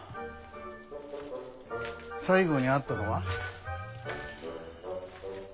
最後に会ったのは？